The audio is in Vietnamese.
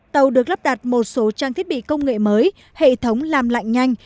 tàu được lắp đặt một số trang thiết bị công nghệ mới hệ thống làm lạnh nhanh